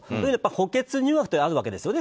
補欠入学ってあるわけですよね。